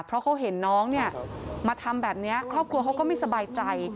เพราะเขาเห็นน้องเนี่ยมาทำแบบนี้ครอบครัวเขาก็ไม่สบายใจ